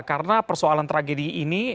karena persoalan tragedi ini